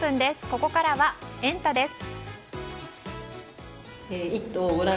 ここからはエンタ！です。